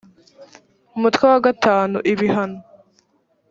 umutwe wa v ibihano